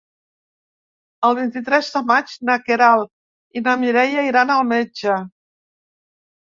El vint-i-tres de maig na Queralt i na Mireia iran al metge.